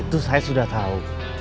itu saya sudah tau